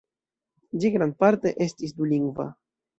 Ĝi grandparte estis dulingva.